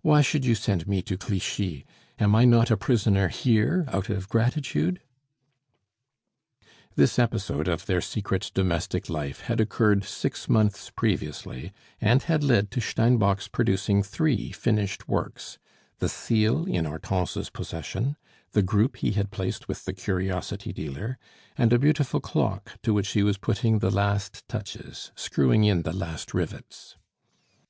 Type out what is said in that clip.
"Why should you send me to Clichy? Am I not a prisoner here out of gratitude?" This episode of their secret domestic life had occurred six months previously, and had led to Steinbock's producing three finished works: the seal in Hortense's possession, the group he had placed with the curiosity dealer, and a beautiful clock to which he was putting the last touches, screwing in the last rivets.